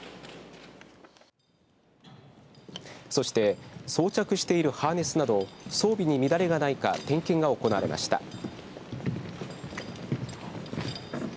そして装着しているハーネスなど装備に乱れがないか点検が行われました。